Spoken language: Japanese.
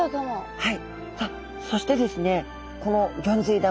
はい。